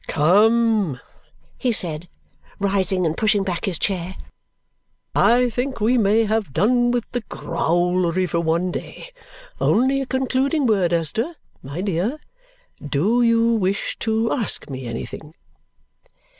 "Come!" he said, rising and pushing back his chair. "I think we may have done with the growlery for one day! Only a concluding word. Esther, my dear, do you wish to ask me anything?"